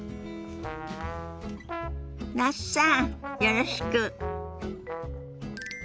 那須さんよろしく。